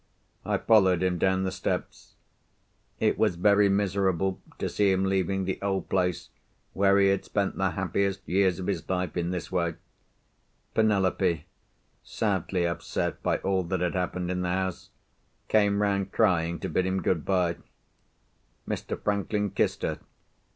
I followed him down the steps. It was very miserable to see him leaving the old place, where he had spent the happiest years of his life, in this way. Penelope (sadly upset by all that had happened in the house) came round crying, to bid him good bye. Mr. Franklin kissed her.